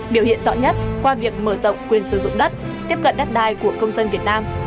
biểu hiện rõ nhất qua việc mở rộng quyền sử dụng đất tiếp cận đất đai của công dân việt nam